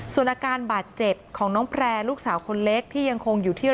ส่วนอาการบาดเจ็บของน้องแพร่ลูกสาวคนเล็กที่ยังคงอยู่ที่